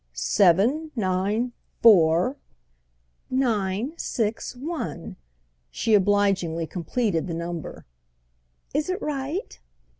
"Seven, nine, four—" "Nine, six, one"—she obligingly completed the number. "Is it right?"